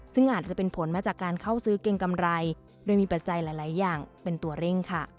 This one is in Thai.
ซึ่งอาจจะเป็นผลมาจากการเข้าซื้อเกรงกำไรโดยมีปัจจัยหลายอย่างเป็นตัวเร่งค่ะ